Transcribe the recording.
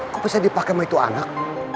kok bisa dipakai sama itu anak